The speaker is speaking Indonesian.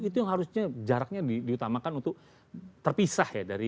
itu yang harusnya jaraknya diutamakan untuk terpisah ya